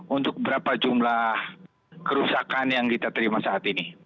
untuk berapa jumlah kerusakan yang kita terima saat ini